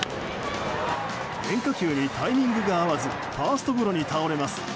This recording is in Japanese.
変化球にタイミングが合わずファーストゴロに倒れます。